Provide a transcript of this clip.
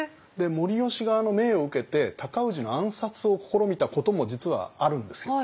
護良側の命を受けて尊氏の暗殺を試みたことも実はあるんですよ。